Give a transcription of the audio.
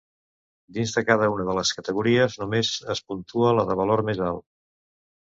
Dins de cada una de les categories només es puntua la de valor més alt.